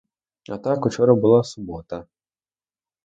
А так, учора була субота.